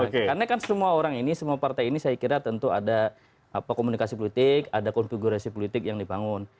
karena kan semua orang ini semua partai ini saya kira tentu ada komunikasi politik ada konfigurasi politik yang dibangun